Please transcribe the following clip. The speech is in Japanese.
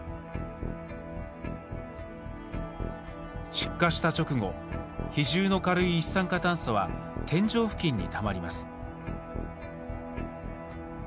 出火した直後比重の軽い一酸化炭素は天井付近にたまります。